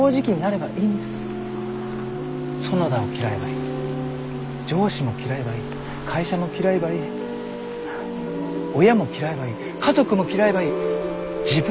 園田を嫌えばいい上司も嫌えばいい会社も嫌えばいい親も嫌えばいい家族も嫌えばいい自分も嫌えばいい。